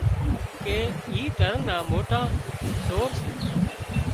ڪي اي تۯ نا موٽا سور سي